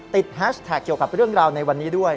แฮชแท็กเกี่ยวกับเรื่องราวในวันนี้ด้วย